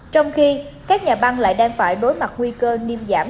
trong khi các nhà băng lại đang phải đối mặt nguy cơ niêm giảm